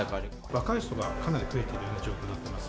若い人がかなり増えている状況になっています。